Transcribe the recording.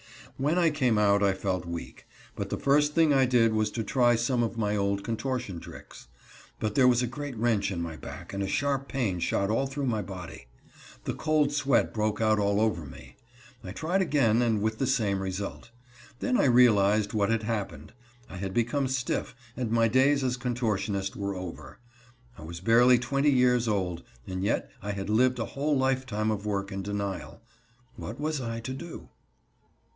When I came out I felt weak, but the first thing I did was to try some of my old contortion tricks. But there was a great wrench in my back and a sharp pain shot all through my body. The cold sweat broke out all over me. I tried again, and with the same result. Then I realized what had happened. I had become stiff, and my days as contortionist were over. I was barely twenty years old, and yet I had lived a whole lifetime of work and denial. What was I to do?